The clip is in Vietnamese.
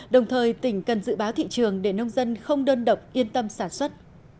đồng thời tỉnh cần dự báo thị trường để nông dân không đơn độc yên tâm sản xuất